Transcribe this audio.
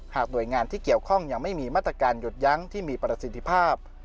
หน่วยงานที่เกี่ยวข้องยังไม่มีมาตรการหยุดยั้งที่มีประสิทธิภาพ